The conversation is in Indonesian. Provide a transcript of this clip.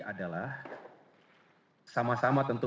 adalah sama sama tentu